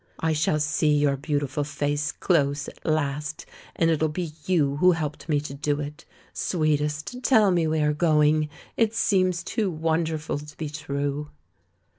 I shall see your beautiful face close, at last, and it'll be you who helped me to do it. Sweetest, tell me we are going! It seems too wonderful to be true."